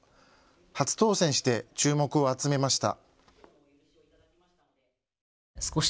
初当選して注目を集めました。